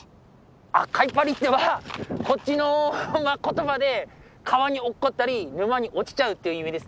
あっ「かいぱり」っていうのはこっちの言葉で川に落っこったり沼に落ちちゃうっていう意味ですね。